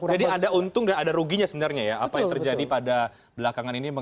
jadi ada untung dan ada ruginya sebenarnya ya apa yang terjadi pada belakangan ini